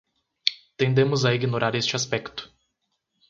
Tendemos a ignorar este aspecto